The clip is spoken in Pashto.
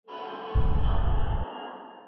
او تا پنځوس کلونه